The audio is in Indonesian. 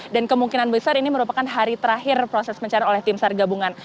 dan kemungkinan besar ini merupakan hari terakhir proses pencarian oleh tim sargabungan